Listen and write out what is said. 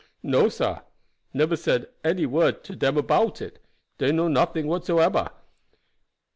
"No, sah, neber said one word to dem about it; dey know nothing whatsoeber.